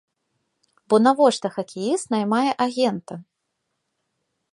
Бо навошта хакеіст наймае агента?